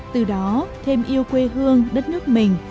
từ đó thêm yêu quê hương đất nước mình